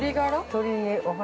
◆鳥にお花。